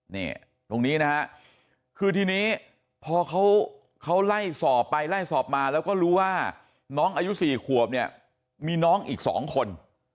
นี่ตรงนี้นะฮะคือทีนี้พอเขาไล่สอบไปไล่สอบมาแล้วก็รู้ว่าน้องอายุ๔ขวบเนี่ยมีน้องอีก๒คน